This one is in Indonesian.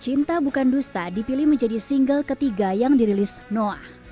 cinta bukan dusta dipilih menjadi single ketiga yang dirilis noah